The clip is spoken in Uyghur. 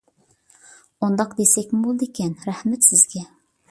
ئۇنداق دېسەكمۇ بولىدىكەن. رەھمەت سىزگە!